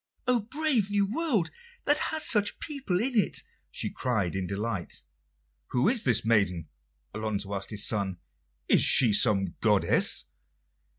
"Oh, brave new world that has such people in it!" she cried in delight. "Who is this maiden?" Alonso asked his son. "Is she some goddess?"